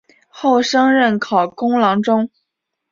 后升任考功郎中。